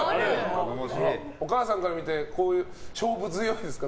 お母さんから見て勝負強いですか？